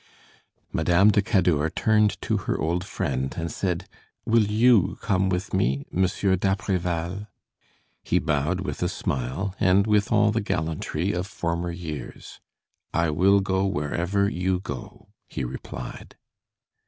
Madame de Cadour turned to her old friend and said: "Will you come with me, Monsieur d'Apreval?" He bowed with a smile, and with all the gallantry of former years: "I will go wherever you go," he replied.